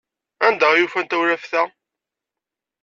Anda ay ufan tawlaft-a?